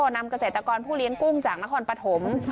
นำเกษตรกรผู้เลี้ยงกุ้งจากนครปฐม